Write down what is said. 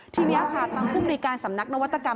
ทีนี้ค่ะทางผู้มนุยการสำนักนวัตกรรม